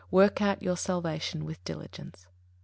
Work out your salvation with diligence."